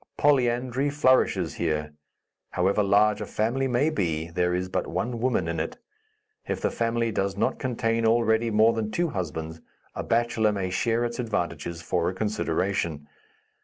Polyandry flourishes here. However large a family may be, there is but one woman in it. If the family does not contain already more than two husbands, a bachelor may share its advantages, for a consideration.